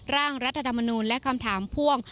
ร่างรัฐธรรมนูลและคำถามพ่วง